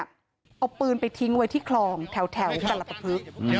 เอาปืนไปทิ้งไว้ที่คลองแถวแต่ละประพึก